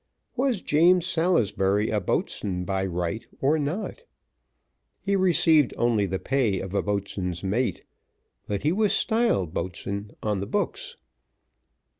Was James Salisbury a boatswain by right or not? He received only the pay of a boatswain's mate, but he was styled boatswain on the books.